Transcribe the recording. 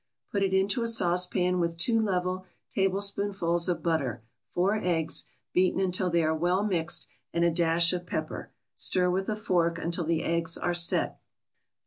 Put it into a saucepan with two level tablespoonfuls of butter, four eggs, beaten until they are well mixed, and a dash of pepper. Stir with a fork until the eggs are "set."